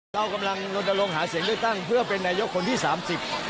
เรากำลังลงหาเสียงด้วยตั้งเพื่อเป็นนายกธมนตรีที่๓๐